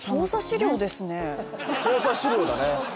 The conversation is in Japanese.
捜査資料だね。